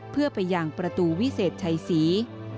เพื่อไปยังประตูวิเศษชัยศรี